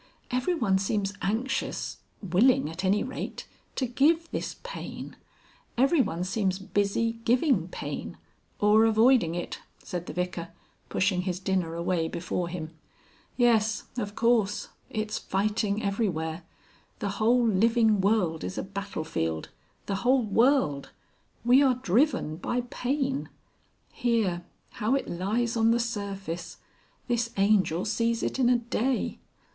Everyone seems anxious willing at any rate to give this Pain. Every one seems busy giving pain " "Or avoiding it," said the Vicar, pushing his dinner away before him. "Yes of course. It's fighting everywhere. The whole living world is a battle field the whole world. We are driven by Pain. Here. How it lies on the surface! This Angel sees it in a day!"